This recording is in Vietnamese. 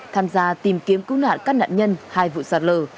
tham gia tìm kiếm cứu nạn các nạn nhân hai vụ sạt lở